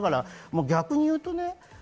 逆に言うとね。